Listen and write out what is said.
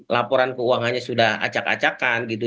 laporan keuangannya sudah acak acakan gitu